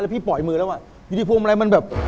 พี่ปล่อยมือแล้วอ่ะอยู่ที่พวงมาลัยมันแบบ